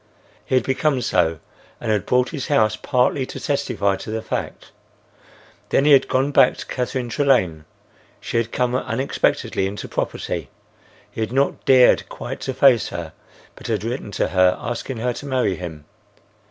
He had become so and had bought his house partly to testify to the fact. Then he had gone back to Catherine Trelane. She had come unexpectedly into property. He had not dared quite to face her, but had written to her, asking her to marry him.